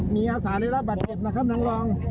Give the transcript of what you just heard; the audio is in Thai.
มีอาสารในรับบัตรเห็นนะครับน้องรอง